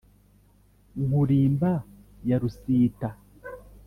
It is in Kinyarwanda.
nkurimba ya rusita